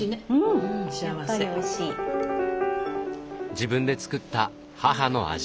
自分で作った母の味。